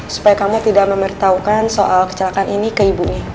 supaya kamu tidak memberitahukan soal kecelakaan ini ke ibunya